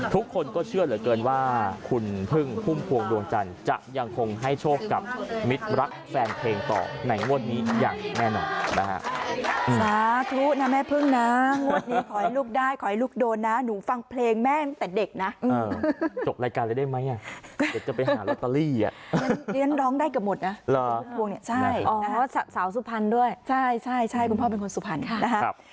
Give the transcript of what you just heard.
ทุกคนก็เชื่อเหลือเกินว่าคุณพึ่งพุ่มพวงดวงจันทร์จะยังคงให้โชคกับมิตรรักแฟนเพลงต่อในงวดนี้อย่างแน่นอนนะครับสาขุนะแม่พึ่งนะงวดนี้ขอให้ลูกได้ขอให้ลูกโดนนะหนูฟังเพลงแม่งตั้งแต่เด็กนะจบรายการเลยได้ไหมอ่ะเด็กจะไปหารอตเตอรี่อ่ะเรียนร้องได้กับหมดนะเพื่อพุ่มพวงนี้เพราะสาวส